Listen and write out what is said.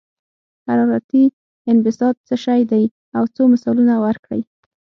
حرارتي انبساط څه شی دی او څو مثالونه ورکړئ.